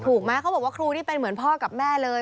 ถูกไหมเขาบอกว่าครูนี่เป็นเหมือนพ่อกับแม่เลย